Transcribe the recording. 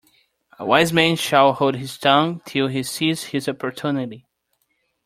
A wise man shall hold his tongue till he sees his opportunity.